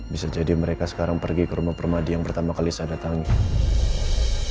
bisa jadi mereka sekarang pergi ke rumah permadi yang pertama kali saya datangi